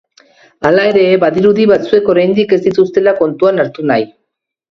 Hala ere, badirudi batzuek oraindik ez dituztela kontuan hartu nahi.